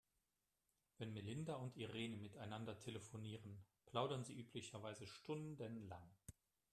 Wenn Melinda und Irene miteinander telefonieren, plaudern sie üblicherweise stundenlang.